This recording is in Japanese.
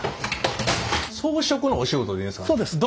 装飾のお仕事でいいですか？